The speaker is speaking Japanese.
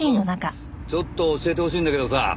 ちょっと教えてほしいんだけどさ